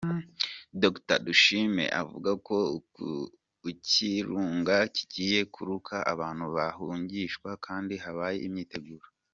Dr Dushime avuga ko uikirunga kigiye kuruka abantu bahungishwa kandi habaye imyiteguro.